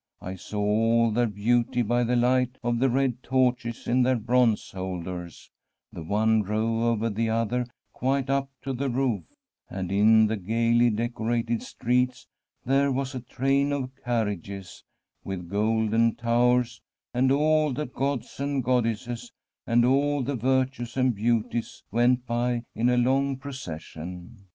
I saw all their beauty by the light of the red torches in their bronze holders, the one row over the Sanu CATERINA of SIENA other quite up to the roof ; and in the gaily deco rated streets there was a train of carriages, with golden towers, and all the gods and goddesses, and all the virtues and beauties went by in a long procession.